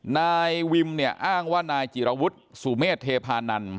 นายวิมอ้างว่านายจิตะวุทธ์สุเมธเทพานันท์